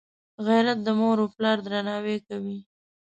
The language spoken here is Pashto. غیرت د موروپلار درناوی کوي